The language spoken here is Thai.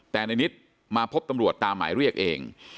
แต่ในนิดมาพบตำรวจตามหมายเรียกเอง